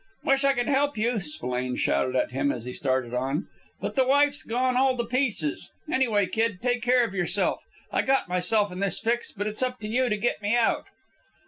"Wish I could help you," Spillane shouted at him as he started on, "but the wife's gone all to pieces! Anyway, kid, take care of yourself! I got myself in this fix, but it's up to you to get me out!"